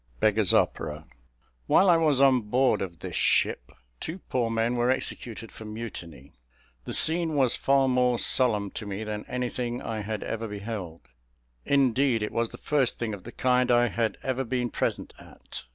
"Beggar's Opera." While I was on board of this ship two poor men were executed for mutiny. The scene was far more solemn to me than anything I had ever beheld. Indeed it was the first thing of the kind I had ever been present at.